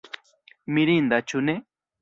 Mirinda ĉu ne?